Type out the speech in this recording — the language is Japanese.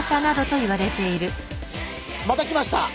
また来ました。